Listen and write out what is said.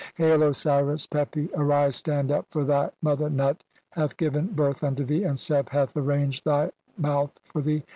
"Hail, Osiris Pepi, (26) arise, stand up, for thy mo "ther Nut hath given birth unto thee, and Seb hath "arranged (?) thy mouth for thee.